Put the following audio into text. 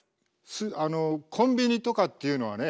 あのコンビニとかっていうのはね